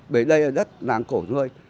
bởi đây là đất nàng cổ thôi